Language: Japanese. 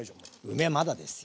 梅まだです。